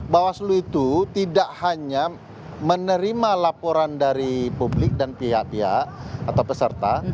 bawaslu itu tidak hanya menerima laporan dari publik dan pihak pihak atau peserta